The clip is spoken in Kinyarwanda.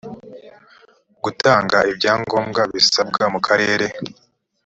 gutanga ibyangombwa bisabwa mu karere